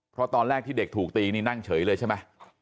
เพราะตอนแรกที่เด็กถูกตีนี่นั่งเฉยเลยใช่ไหม